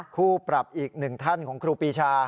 คู่ปรับอีกหนึ่งท่านของครูปีชา